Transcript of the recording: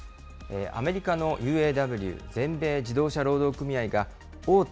アメリカのＵＡＷ・全米自動車労働組合が大手